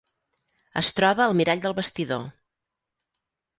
Es troba al mirall del vestidor.